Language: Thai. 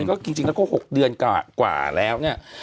คือคือคือคือคือคือ